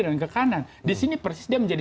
dan ke kanan di sini persis dia menjadi